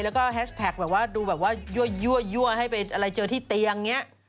แล้วก็แฮชแท็กแบบว่าดูแบบว่ายั่วให้ไปอะไรเจอที่เตียงอย่างนี้